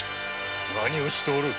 何をしておる！